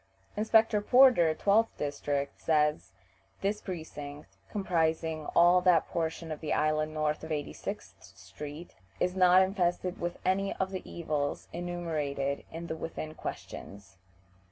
Inspector Porter, 12th district says, "This precinct, comprising all that portion of the island north of 86th street, is not infested with any of the evils enumerated in the within questions."